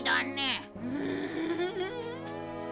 ウフフフ。